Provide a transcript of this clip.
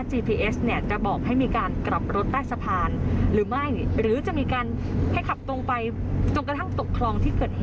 ชะลอชะลอนะคะเดี๋ยวโอเค